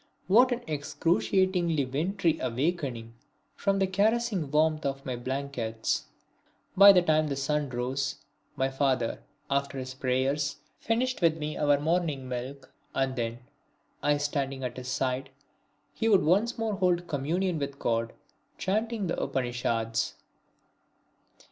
What an excruciatingly wintry awakening from the caressing warmth of my blankets! By the time the sun rose, my father, after his prayers, finished with me our morning milk, and then, I standing at his side, he would once more hold communion with God, chanting the Upanishads.